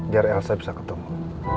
biar elsa bisa ketemu